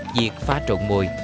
việc pha trộn mồi